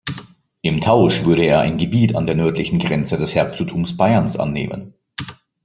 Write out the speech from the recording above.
Im Tausch würde er ein Gebiet an der nördlichen Grenze des Herzogtums Bayerns annehmen.